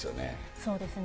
そうですね。